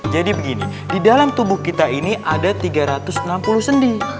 jadi begini di dalam tubuh kita ini ada tiga ratus enam puluh sendi